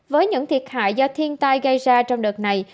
với những thiệt hại do thiên tai gây ra trong đợt này